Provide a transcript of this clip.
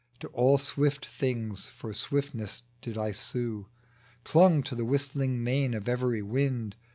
To all swift things for swiftness did I sue ; Clung to the whistling mane of every wind.